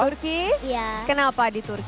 turki kenapa di turki